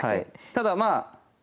ただまあ